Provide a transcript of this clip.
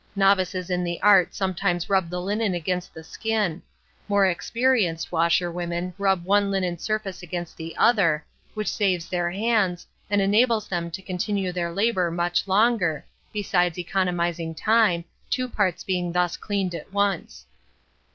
Novices in the art sometimes rub the linen against the skin; more experienced washerwomen rub one linen surface against the other, which saves their hands, and enables them to continue their labour much longer, besides economizing time, two parts being thus cleaned at once.